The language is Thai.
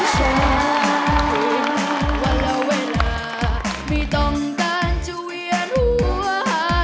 จากเป็นคนที่เคยใช้ค่ะ